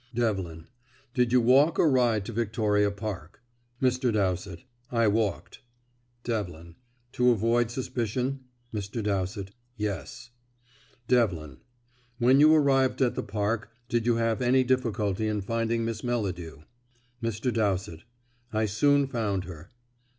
Devlin: "Did you walk or ride to Victoria Park?" Mr. Dowsett: "I walked." Devlin: "To avoid suspicion?" Mr. Dowsett: "Yes." Devlin: "When you arrived at the Park did you have any difficulty in finding Miss Melladew?" Mr. Dowsett: "I soon found her."